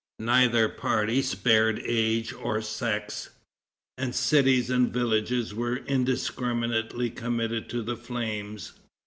Neither party spared age or sex, and cities and villages were indiscriminately committed to the flames.